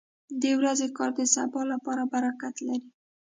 • د ورځې کار د سبا لپاره برکت لري.